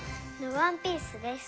ワンピースです。